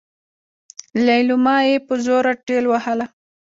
ليلما يې په زوره ټېلوهله.